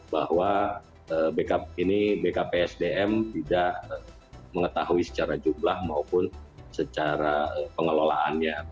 bahwa bkpsdm tidak mengetahui secara jumlah maupun secara pengelolaannya